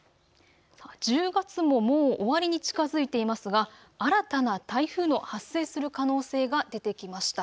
１０月も、もう終わりに近づいていますが新たな台風の発生する可能性が出てきました。